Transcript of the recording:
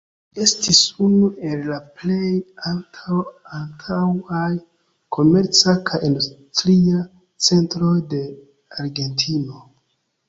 Ĝi estis unu el la plej antaŭaj komerca kaj industria centroj de Argentino.